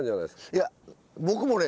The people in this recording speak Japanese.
いや僕もね